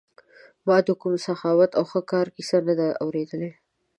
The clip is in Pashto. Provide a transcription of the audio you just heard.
ما د کوم سخاوت او ښه کار کیسه نه ده اورېدلې.